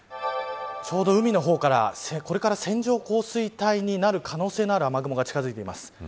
ちょうど海の方からこれから線状降水帯になる可能性のある雨雲が近づいています。